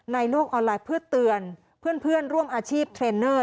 โลกออนไลน์เพื่อเตือนเพื่อนร่วมอาชีพเทรนเนอร์